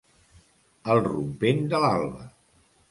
Al rompent de l'alba.